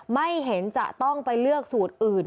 ไม่เห็นจะต้องไปเลือกสูตรอื่น